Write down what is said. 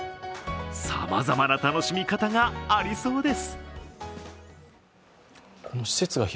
さまざまな楽しみ方がありそうです。